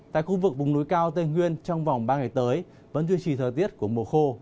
tại khu vực vùng núi cao tây nguyên trong vòng ba ngày tới vẫn duy trì thời tiết của mùa khô